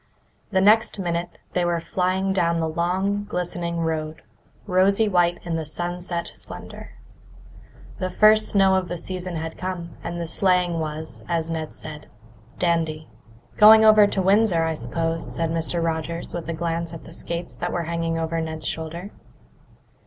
The next minute they were flying down the long, glistening road, rosy white in the sunset splendour. The first snow of the season had come, and the sleighing was, as Ned said, "dandy." "Going over to Windsor, I suppose," said Mr. Rogers, with a glance at the skates that were hanging over Ned's shoulder.